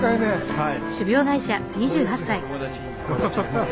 はい。